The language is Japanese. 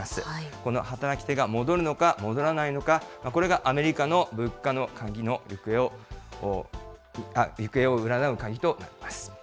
この働き手が戻るのか戻らないのか、これがアメリカの物価の行方を占う鍵となります。